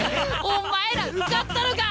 お前ら受かったのか！